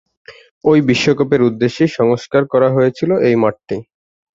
ঐ বিশ্বকাপের উদ্দেশ্যেই সংস্কার করা হয়েছিল এই মাঠটি।